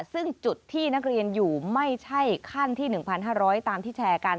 ซึ่งจุดที่นักเรียนอยู่ไม่ใช่ขั้นที่๑๕๐๐ตามที่แชร์กัน